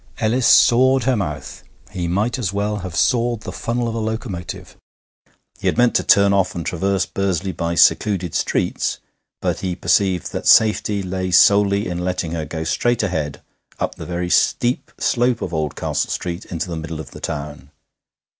Ellis sawed her mouth; he might as well have sawed the funnel of a locomotive. He had meant to turn off and traverse Bursley by secluded streets, but he perceived that safety lay solely in letting her go straight ahead up the very steep slope of Oldcastle Street into the middle of the town.